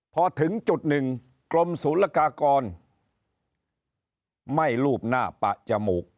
พอถึงจุดหนึ่งกรมศูนย์ละกากรไม่รูปหน้าปะจมูก